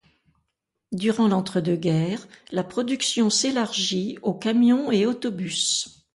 Durant l'entre-deux-guerres, la production s'élargit aux camions et autobus.